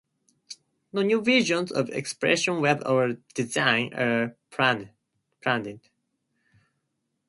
No new versions of Expression Web or Design are planned.